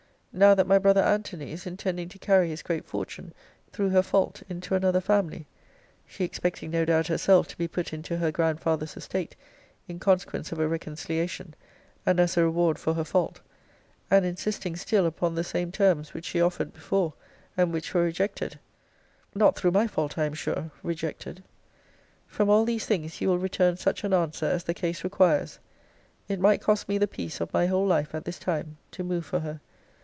Now, that my brother Antony is intending to carry his great fortune, through her fault, into another family: she expecting, no doubt, herself to be put into her grandfather's estate, in consequence of a reconciliation, and as a reward for her fault: and insisting still upon the same terms which she offered before, and which were rejected Not through my fault, I am sure, rejected! From all these things you will return such an answer as the case requires. It might cost me the peace of my whole life, at this time, to move for her.